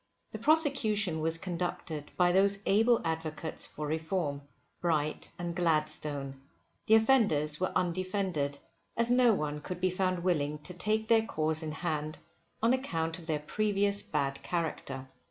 The prosecution was conducted by those able Advocates for Reform, Bright and Gladstone. The offenders were undefended, as no one could be found willing to take their cause in hand on account of their previous bad character.